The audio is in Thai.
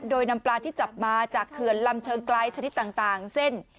โดยนำปลาที่จับมาจากเขื่อนลำเชิงไกลชนิดต่างเส้น